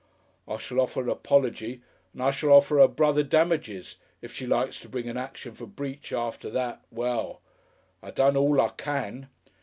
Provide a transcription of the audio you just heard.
"I shall offer an 'pology and I shall offer 'er brother damages. If she likes to bring an action for Breach after that, well I done all I can....